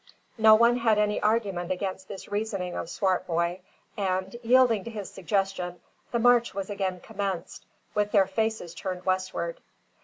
No one had any argument against this reasoning of Swartboy; and, yielding to his suggestion, the march was again commenced, with their faces turned westward.